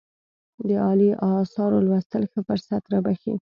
د عالي آثارو لوستل ښه فرصت رابخښي.